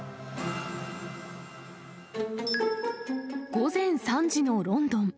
午前３時のロンドン。